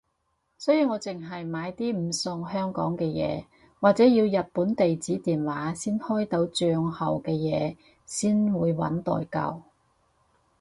所以我淨係買啲唔送香港嘅嘢或者要日本地址電話先開到帳號嘅嘢先會搵代購